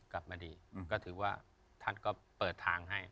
ก็ถือว่าท่านก็เปิดทางให้